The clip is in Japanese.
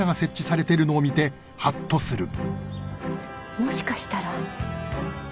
もしかしたら。